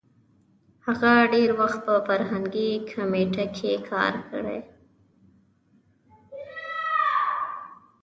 هغه ډېر وخت په فرهنګي کمېټه کې کار کړی وو.